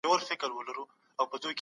روغتونونه باید د ټولو لپاره خلاص وي.